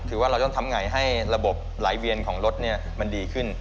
คือว่าเราต้องทำไงให้ระบบไหลเวียนของรถมันดีขึ้น